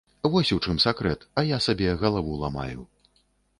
Вось у чым сакрэт, а я сабе галаву ламаю.